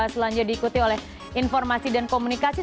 selanjutnya diikuti oleh informasi dan komunikasi